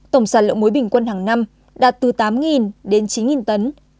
tổng sản lượng muối bình quân hàng năm đạt từ tám đến chín tấn